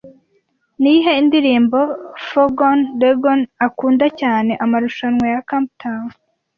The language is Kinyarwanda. Niyihe ndirimbo Foghorn Leghorn akunda cyane Amarushanwa ya Camptown